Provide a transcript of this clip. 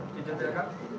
di jendela kak